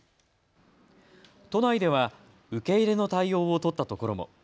都内では受け入れの対応を取ったところも。